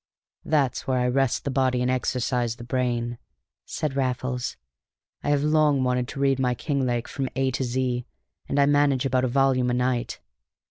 "That's where I rest the body and exercise the brain," said Raffles. "I have long wanted to read my Kinglake from A to Z, and I manage about a volume a night.